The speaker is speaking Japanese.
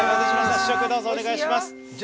試食、どうぞお願いします。